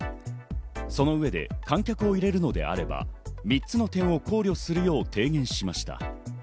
その上で観客を入れるのであれば、３つの点を考慮するよう提言しました。